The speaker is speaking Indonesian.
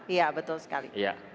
iya betul sekali